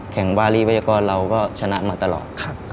แข่งวารีไว้ยกรเราก็ชนะมาตลอด